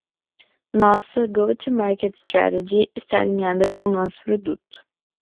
Nossa go-to-market strategy está alinhada com nosso produto.